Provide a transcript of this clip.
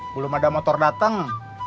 belum ada motor dateng